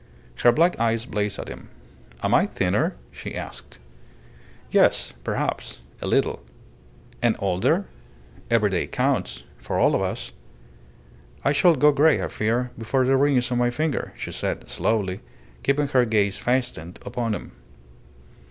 Her black eyes blazed at him. "Am I thinner?" she asked. "Yes perhaps a little." "And older?" "Every day counts for all of us." "I shall go grey, I fear, before the ring is on my finger," she said, slowly, keeping her gaze fastened upon him.